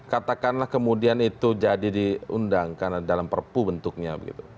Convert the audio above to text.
katakanlah kemudian itu jadi diundangkan dalam perpu bentuknya